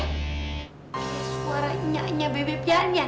suara inyaknya bebek pianin